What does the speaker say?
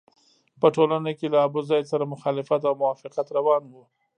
په ټولنه کې له ابوزید سره مخالفت او موافقت روان وو.